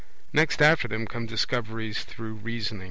Next after them come Discoveries through reasonin